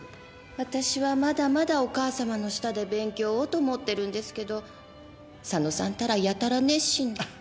私はまだまだお母様の下で勉強をと思ってるんですけど佐野さんたらやたら熱心で。